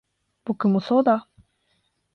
僕もそうだ